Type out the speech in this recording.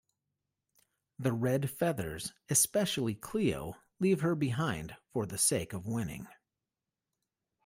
The Red Feathers, especially Cleo, leave her behind for the sake of winning.